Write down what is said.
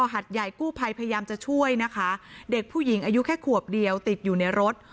หัดใหญ่กู้ภัยพยายามจะช่วยนะคะเด็กผู้หญิงอายุแค่ขวบเดียวติดอยู่ในรถ